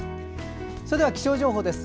それでは気象情報です。